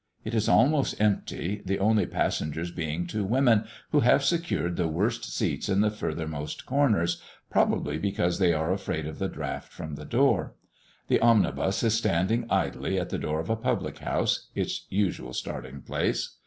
It is almost empty, the only passengers being two women, who have secured the worst seats in the furthermost corners, probably because they are afraid of the draught from the door. The omnibus is standing idly at the door of a public house, its usual starting place.